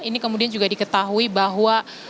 ini kemudian juga diketahui bahwa